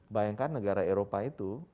bayangkan negara eropa itu